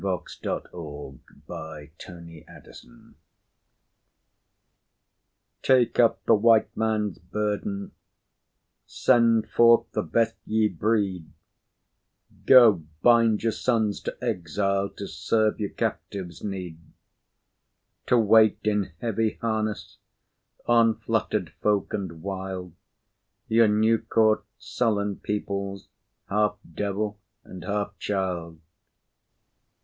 VII THE WHITE MAN'S BURDEN 1899 Take up the White Man's burden Send forth the best ye breed Go bind your sons to exile To serve your captives' need; To wait in heavy harness, On fluttered folk and wild Your new caught, sullen peoples, Half devil and half child.